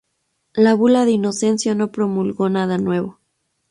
La Bula de Inocencio no promulgó nada nuevo.